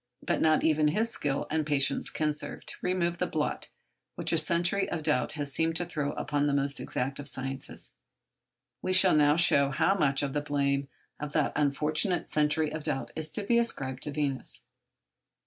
But not even his skill and patience can serve to remove the blot which a century of doubt has seemed to throw upon the most exact of the sciences. We shall now show how much of the blame of that unfortunate century of doubt is to be ascribed to Venus.